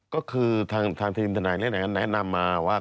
ก็คือทางทีมทนายแนะนำมาว่า